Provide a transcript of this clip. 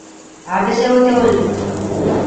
عَبَسَ وَتَوَلَّى